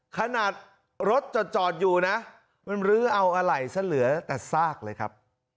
ขนาดรถจอดอยู่นะมันลื้อเอาอะไรซะเหลือแต่ซากเลยครับ